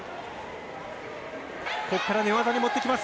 ここから寝技にもっていきます。